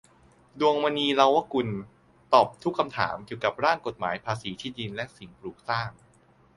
ดวงมณี เลาวกุล ตอบทุกคำถามเกี่ยวกับร่างกฎหมายภาษีที่ดินและสิ่งปลูกสร้าง